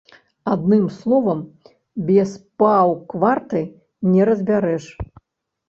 Адным словам, без паўкварты не разбярэш.